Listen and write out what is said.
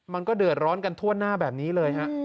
มันก็เดือดร้อนกันทั่วหน้าแบบนี้เลยฮะ